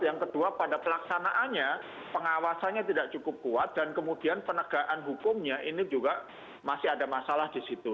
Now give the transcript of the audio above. yang kedua pada pelaksanaannya pengawasannya tidak cukup kuat dan kemudian penegakan hukumnya ini juga masih ada masalah di situ